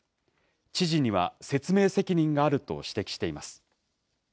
知事には説明責任があると指摘しています。